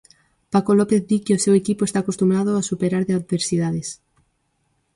Paco López di que o seu equipo está acostumado a superar adversidades.